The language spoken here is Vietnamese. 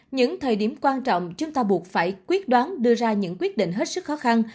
những thời điểm quan trọng chúng ta buộc phải quyết đoán đưa ra những quyết định hết sức khó khăn